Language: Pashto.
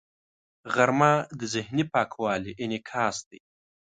غرمه د ذهني پاکوالي انعکاس دی